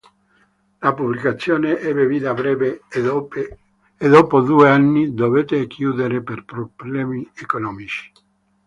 La pubblicazione ebbe vita breve e, dopo due anni, dovette chiudere per problemi economici.